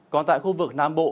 còn tại khu vực nam bộ